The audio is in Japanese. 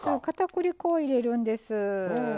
かたくり粉を入れるんです。